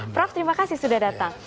prof terima kasih sudah datang